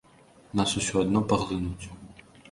Нас усё адно паглынуць.